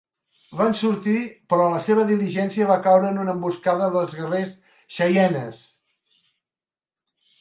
Van sortir, però la seva diligència va caure en una emboscada dels guerrers xeienes.